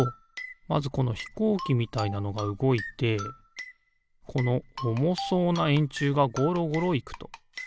まずこのひこうきみたいなのがうごいてこのおもそうなえんちゅうがゴロゴロいくと。